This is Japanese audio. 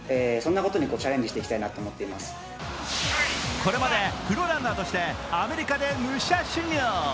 これまでプロランナーとしてアメリカで武者修行。